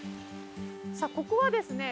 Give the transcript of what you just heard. さあここはですね